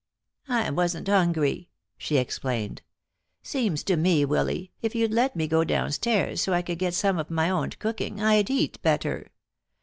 "I wasn't hungry," she explained. "Seems to me, Willy, if you'd let me go downstairs so I could get some of my own cooking I'd eat better.